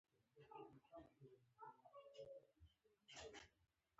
• ته زما د زړګي دروند بار خوږ کړې.